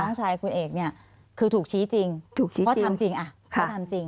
น้องชายคุณเอกเนี่ยคือถูกชี้จริงถูกชี้จริงเพราะทำจริงอ่ะ